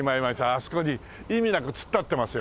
あそこに意味なく突っ立ってますよ。